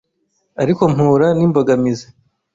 ariko mpura n’imbogamizi